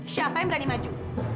siapa yang berani maju